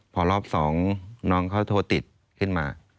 พอรอบ๒น้องเขาโทรติดขึ้นมา